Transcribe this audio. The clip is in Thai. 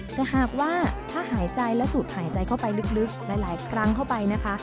แต่หากว่าถ้าสูตรหายใจเข้าไปลึกหลายกรั้งเข้าไปนะคะ